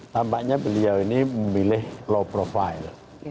tampaknya beliau ini memilih low profile